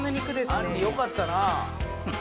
あんりよかったな。